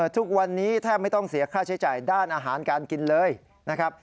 ทุกวันนี้แทบไม่ต้องเสียค่าใช้จ่ายด้านอาหารการกินเลยนะครับ